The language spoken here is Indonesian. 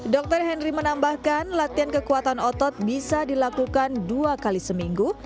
dokter henry menambahkan latihan kekuatan otot bisa dilakukan dua kali seminggu